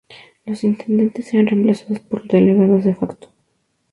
Los intendentes eran reemplazados por delegados de facto.